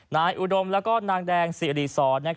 อุดมและนางแดงสิริสร